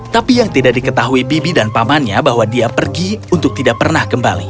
tapi yang tidak diketahui bibi dan pamannya bahwa dia pergi untuk tidak pernah kembali